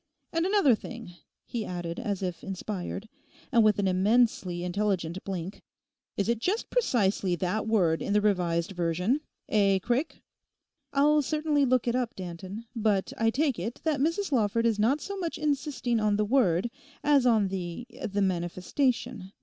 And another thing,' he added, as if inspired, and with an immensely intelligent blink, 'is it just precisely that word in the Revised Version—eh, Craik?' 'I'll certainly look it up, Danton. But I take it that Mrs Lawford is not so much insisting on the word, as on the—the manifestation.